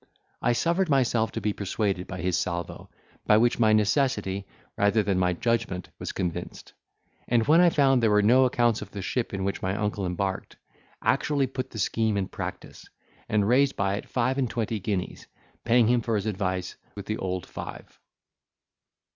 I suffered myself to be persuaded by his salvo, by which my necessity, rather than my judgment, was convinced; and, when I found there were no accounts of the ship in which my uncle embarked, actually put the scheme in practice, and raised by it five and twenty guineas, paying him for his advice with the old five.